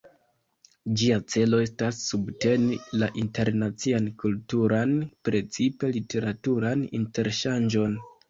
Ĝia celo estas subteni la internacian kulturan, precipe literaturan interŝanĝon.